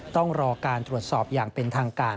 ต้องรอการตรวจสอบอย่างเป็นทางการ